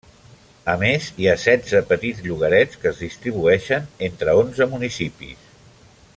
A més hi ha setze petits llogarets que es distribueixen entre onze municipis.